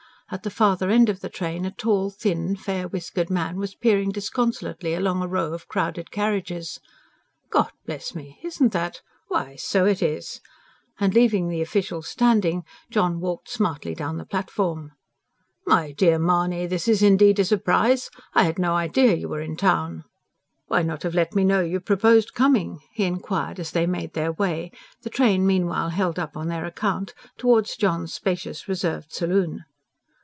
At the farther end of the train, a tall, thin, fair whiskered man was peering disconsolately along a row of crowded carriages. "God bless me! isn't that ... Why, so it is!" And leaving the official standing, John walked smartly down the platform. "My dear Mahony! this is indeed a surprise. I had no idea you were in town." "Why not have let me know you proposed coming?" he inquired as they made their way, the train meanwhile held up on their account, towards John's spacious, reserved saloon.